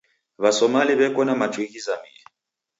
W'asomali w'eko na machu ghizamie.